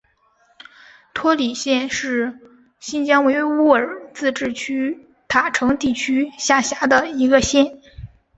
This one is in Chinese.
托里县是新疆维吾尔自治区塔城地区下辖的一个县。